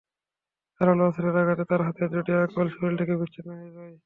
ধারালো অস্ত্রের আঘাতে তাঁর হাতের দুটি আঙুল শরীর থেকে বিচ্ছিন্ন হয়ে যায়।